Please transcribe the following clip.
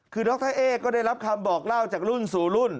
คือดรเอ๊ก็ได้รับคำบอกเล่าจากรุ่นสู่รุ่น